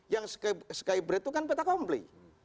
yang skybrid itu kan peta kompli